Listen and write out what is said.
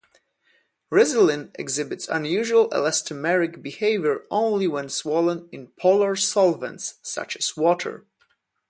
Resilin exhibits unusual elastomeric behavior only when swollen in polar solvents such as water.